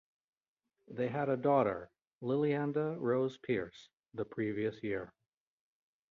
They had had a daughter, Lilianda Rose Pearce, the previous year.